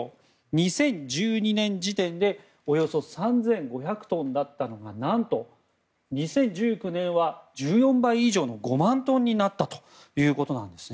２０１２年時点でおよそ３５００トンだったのが何と２０１９年は１４倍以上の５万トンになったということなんです。